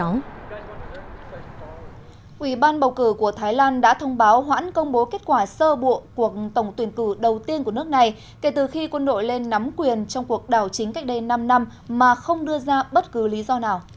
ủy ban bầu cử của thái lan đã thông báo hoãn công bố kết quả sơ bộ cuộc tổng tuyển cử đầu tiên của nước này kể từ khi quân đội lên nắm quyền trong cuộc đảo chính cách đây năm năm mà không đưa ra bất cứ lý do nào